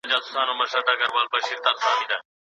ښاري ژوند له شور او ځوږ ډک وي.